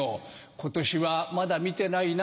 今年はまだ見てないな